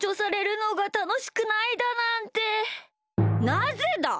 なぜだ！